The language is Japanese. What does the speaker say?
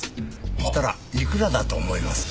そしたらいくらだと思います？